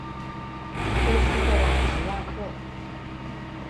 科斯的朗提亚克。